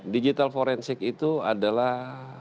digital forensik itu adalah